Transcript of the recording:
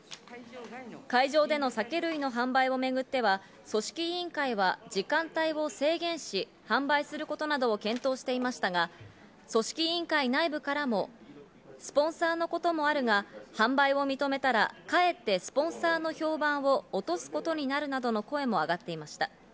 会場での酒類の販売をめぐっては組織委員会は時間帯を制限し、販売することなどを検討していましたが組織委員会内部からもスポンサーのこともあるが販売を認めたら、かえってスポンサーの評判を落とすことになるなどの声も上がっていました。